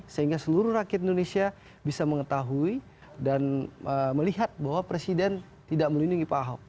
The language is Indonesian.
sehingga seluruh rakyat indonesia bisa mengetahui dan melihat bahwa presiden tidak melindungi pak ahok